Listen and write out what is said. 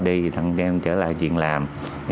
đi thẳng em trở lại chuyện làm